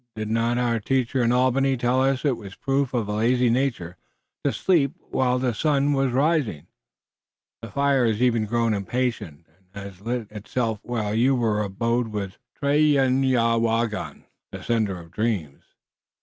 "Did not our teacher in Albany tell us it was proof of a lazy nature to sleep while the sun was rising? The fire even has grown impatient and has lighted itself while you abode with Tarenyawagon (the sender of dreams).